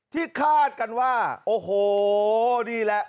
คาดกันว่าโอ้โหนี่แหละ